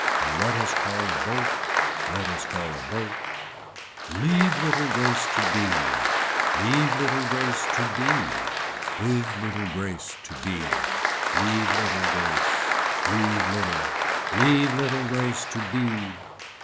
Let us call a boat, let us call a boat. Leave little grace to be. Leave little grace to bea, live little grace to bee. Leave little grace. Leave little. Leave little grace to be.